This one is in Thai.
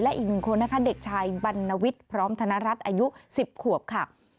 และอีก๑คนนะคะเด็กชายบัณวิตพร้อมธนรัฐอายุ๑๐ขวบค่ะ